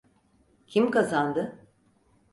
Kim kazandı?